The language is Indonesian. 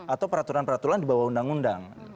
atau peraturan peraturan di bawah undang undang